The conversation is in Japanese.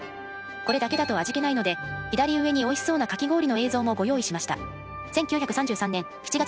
これだけだと味気ないので左上においしそうなかき氷の映像もご用意しました。